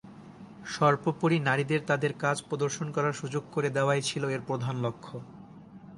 সর্বোপরি, নারীদের তাদের কাজ প্রদর্শন করার সুযোগ করে দেওয়াই ছিল এর প্রধান লক্ষ্য।